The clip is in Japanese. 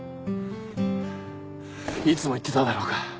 いつも言ってただろうが。